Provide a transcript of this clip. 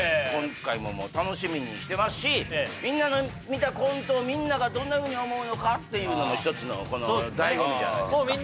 今回も楽しみにしてますしみんなの見たコントをみんながどんなふうに思うのかっていうのも一つの醍醐味じゃないですか